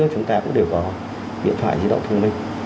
chúng ta cũng đều có điện thoại dữ liệu thông minh